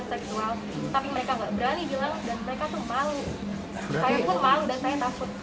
seksual tapi mereka enggak berani bilang dan mereka tuh malu saya pun malu dan saya takut